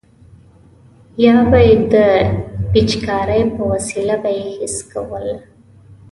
یا به یې د پیچکارۍ په وسیله بې حس کول.